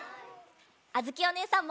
あづきおねえさんも。